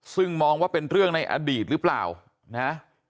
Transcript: ซึ่งมองว่าเป็นเรื่องในอดีตหรือเปล่านะ